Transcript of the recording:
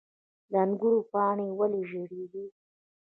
د انګورو پاڼې ولې ژیړیږي؟